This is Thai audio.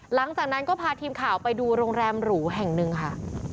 หลังจากนั้นก็พาทีมข่าวไปดูโรงแรมหรูแห่งหนึ่งค่ะ